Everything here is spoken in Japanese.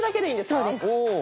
そうです。